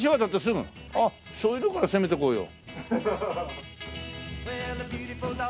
あっそういう所から攻めていこうよ。